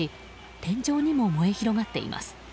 天井にも燃え広がっています。